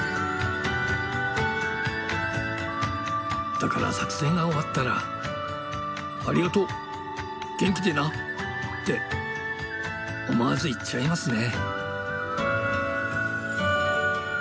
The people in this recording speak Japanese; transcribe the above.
だから撮影が終わったら「ありがとう！元気でな！」って思わず言っちゃいますね。